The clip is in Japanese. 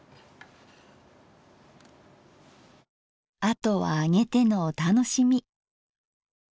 あとは揚げてのお楽しみ。